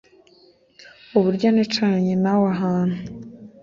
uburyo nicaranye nawe ahantu